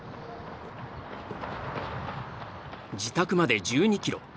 自宅まで１２キロ。